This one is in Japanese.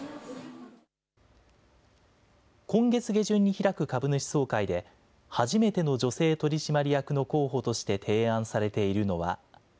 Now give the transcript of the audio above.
今月下旬に開く株主総会で、初めての女性取締役の候補として提案されているのは。